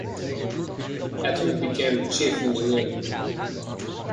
Atwood became chief engineer.